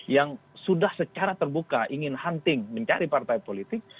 yang sudah secara terbuka ingin hunting mencari partai politik